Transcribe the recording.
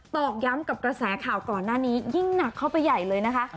อกย้ำกับกระแสข่าวก่อนหน้านี้ยิ่งหนักเข้าไปใหญ่เลยนะคะ